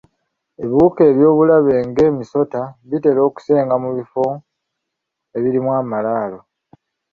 Ebiwuka eby'obulabe ng'emisota bitera okusenga mu bifo ebirimu amalaalo.